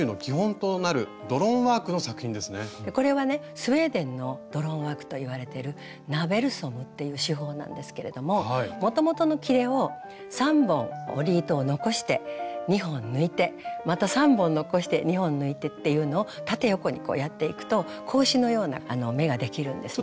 スウェーデンのドロンワークといわれてる「ナーベルソム」っていう手法なんですけれどももともとのきれを３本織り糸を残して２本抜いてまた３本残して２本抜いてっていうのを縦横にやっていくと格子のような目ができるんですね。